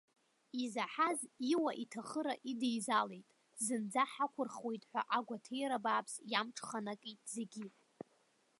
Изаҳаз иуа-иҭахыра идеизалеит, зынӡа ҳақәырхуеит ҳәа агәаҭеира бааԥс иамҽханакит зегьы.